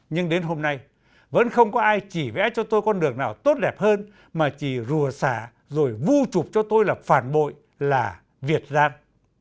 nhưng đến hôm nay vẫn không có ai chỉ vẽ cho tôi con đường nào tốt đẹp hơn mà chỉ rùa xả rồi vu trụp cho tôi là phản bội là việt giang